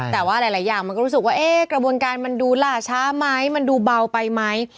แต่ว่าหลายอย่างมันก็รู้สึกว่ากระบวนการมันดูล่าช้าไหมมันดูเบาไปไหม